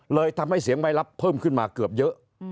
เลยทำให้เสียงไม่รับเพิ่มขึ้นมาเกือบเยอะ